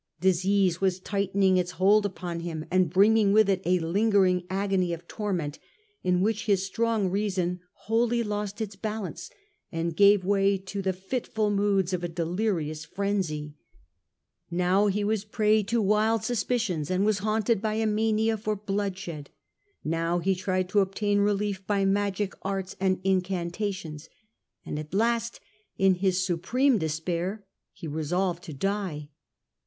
Disease was tightening its hold upon him, and bringing with it a lingering agony of torment, in which na.irian'* his strong reason wholly lost its balance, and ^ gave way to the fitful moods of a delirious fiffu'iVoods frenzy. Now he was a prey to wild suspicions, o^cmelty. and was haunted by a mania for bloodshed ; now he tried to obtain relief by magic arts and incantations; and at last in his supreme despair he resolved to die.